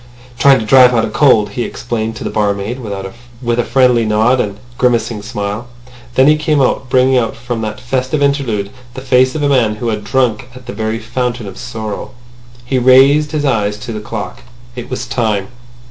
"Trying to drive out a cold," he explained to the barmaid, with a friendly nod and a grimacing smile. Then he came out, bringing out from that festive interlude the face of a man who had drunk at the very Fountain of Sorrow. He raised his eyes to the clock. It was time.